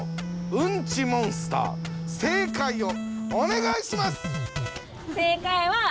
うんちモンスター正解をおねがいします。